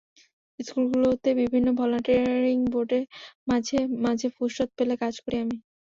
স্কুলগুলোতে বিভিন্ন ভলান্টিয়ারিং বোর্ডে মাঝে মাঝে ফুরসত পেলে কাজ করি আমি।